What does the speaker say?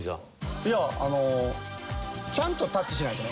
いやあのちゃんとタッチしないとね。